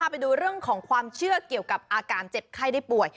ไปดูเรื่องของความเชื่อเกี่ยวกับอาการเจ็บไข้ได้ป่วย